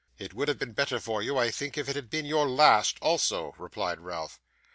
'It would have been better for you, I think, if it had been your last also,' replied Ralph.